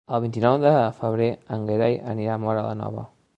El vint-i-nou de febrer en Gerai anirà a Móra la Nova.